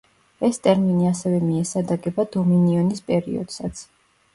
ეს ტერმინი ასევე მიესადაგება დომინიონის პერიოდსაც.